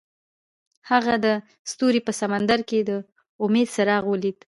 هغه د ستوري په سمندر کې د امید څراغ ولید.